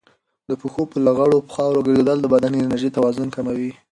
د پښو په لغړو په خاورو ګرځېدل د بدن انرژي توازن کوي.